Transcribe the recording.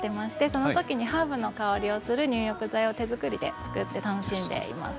その時にハーブの香りのする入浴剤を手作りで作って楽しんでいます。